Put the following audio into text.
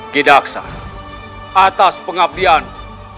gidaksa atas pengabdianmu